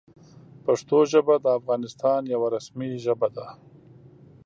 پښتو ژبه د افغانستان یوه رسمي ژبه ده.